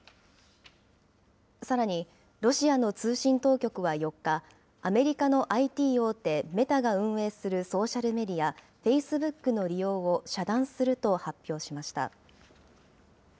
さらに、ロシアの通信当局は４日、アメリカのＩＴ大手、メタが運営するソーシャルメディア、フェイスブックの利用を遮断すると発表しました。